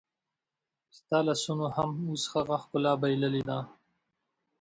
ستا لاسونو هم اوس هغه ښکلا بایللې ده